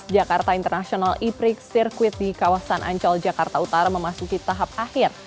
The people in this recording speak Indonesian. jakarta international e prix circuit di kawasan ancol jakarta utara memasuki tahap akhir